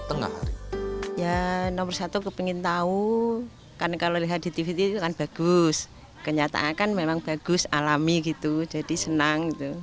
tengah ya nomor satu kepengen tahu kan kalau lihat di tv tv itu kan bagus kenyataan kan memang bagus alami gitu jadi senang